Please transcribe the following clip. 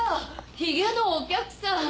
ヒゲのお客さん。